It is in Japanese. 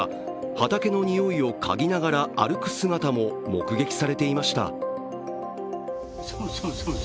畑のにおいをかぎながら歩く姿も目撃されていました。